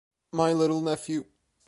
my little nephew